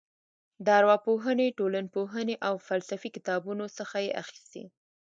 د ارواپوهنې ټولنپوهنې او فلسفې کتابونو څخه یې اخیستې.